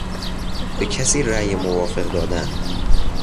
به کسی رای موافق دادن